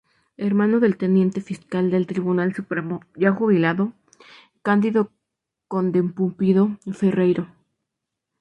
Hermano del Teniente Fiscal del Tribunal Supremo, ya jubilado, Cándido Conde-Pumpido Ferreiro.